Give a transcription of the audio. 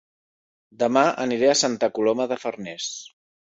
Dema aniré a Santa Coloma de Farners